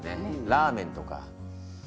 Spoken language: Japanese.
ラーメンとか。